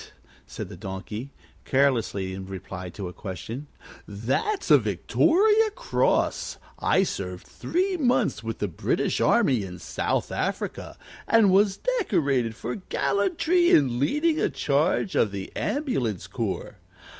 said the Donkey, carelessly, in reply to a question. "That's a Victoria Cross. I served three months with the British army in South Africa, and was decorated for gallantry in leading a charge of the ambulance corps.